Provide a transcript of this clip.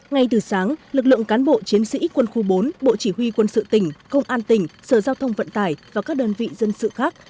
ngay từ sáng lực lượng cán bộ chiến sĩ quân khu bốn bộ chỉ huy quân sự tỉnh công an tỉnh sở giao thông vận tải và các đơn vị dân sự khác